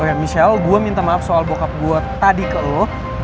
oyah michel gua minta maaf soal bokap gue tadi ke lu